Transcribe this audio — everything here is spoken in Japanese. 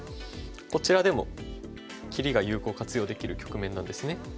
こちらでも切りが有効活用できる局面なんですね。